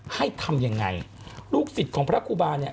ให้ทำยังไงลูกศิษย์ของพระครูบาเนี่ย